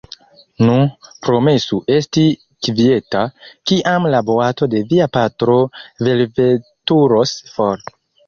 Nu, promesu esti kvieta, kiam la boato de via patro velveturos for.